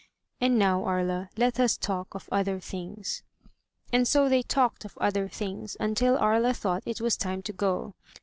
And now, Aria, let us talk of other things." And so they talked of other things until Aria thought it was time to go.